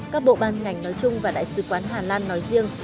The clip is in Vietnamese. các bộ ban ngành nói chung và đại sứ quán hà lan nói riêng